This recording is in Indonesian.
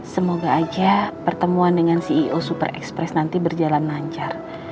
semoga aja pertemuan dengan ceo super express nanti berjalan lancar